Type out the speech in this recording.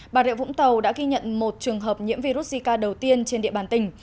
bà rịa vũng tàu đã ghi nhận một trường hợp nhiễm virus zika đầu tiên trên địa bàn tỉnh